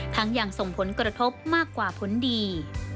ทั้งอย่างส่งผลกระทบมากกว่าผลดี